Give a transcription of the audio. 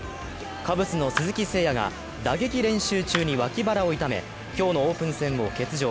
カブスの鈴木誠也が打撃練習中に脇腹を痛め、今日のオープン戦を欠場。